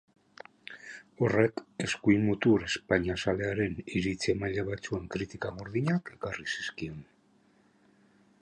Horrek eskuin-mutur espainiazalearen iritzi emaile batzuen kritika gordinak ekarri zizkion.